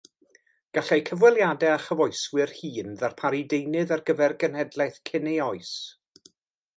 Gallai cyfweliadau â chyfoeswyr hŷn ddarparu deunydd ar gyfer y genhedlaeth cyn ei oes.